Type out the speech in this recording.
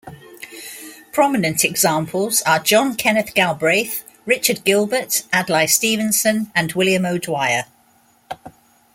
Prominent examples are John Kenneth Galbraith, Richard Gilbert, Adlai Stevenson, and William O'Dwyer.